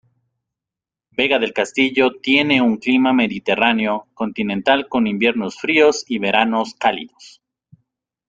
Vega del Castillo tiene un clima mediterráneo continental con inviernos fríos y veranos cálidos.